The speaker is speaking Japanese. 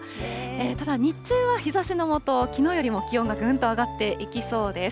ただ日中は日ざしの下、きのうよりも気温がぐんと上がっていきそうです。